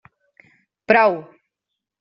Prou!